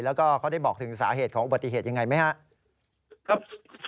แล้วก็เขาได้บอกถึงสาเหตุของอุบัติเหตุยังไงไหมครับ